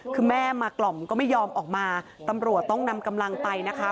คือแม่มากล่อมก็ไม่ยอมออกมาตำรวจต้องนำกำลังไปนะคะ